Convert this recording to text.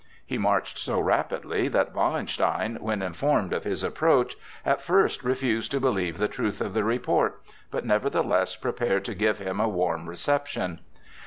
He marched so rapidly that Wallenstein, when informed of his approach, at first refused to believe the truth of the report, but nevertheless prepared to give him a warm reception.